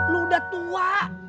lu udah tua